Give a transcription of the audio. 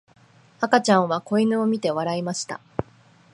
赤ちゃんは子犬を見て笑いました。